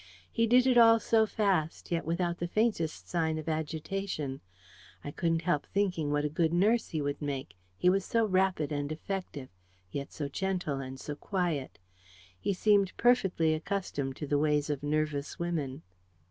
He did it all so fast, yet without the faintest sign of agitation. I couldn't help thinking what a good nurse he would make; he was so rapid and effective, yet so gentle and so quiet. He seemed perfectly accustomed to the ways of nervous women.